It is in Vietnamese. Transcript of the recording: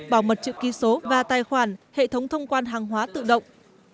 bảo mật chữ ký số và tài khoản hệ thống thông quan hàng hóa tự động